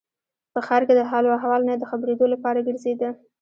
په ښار کې د حال و احوال نه د خبرېدو لپاره ګرځېده.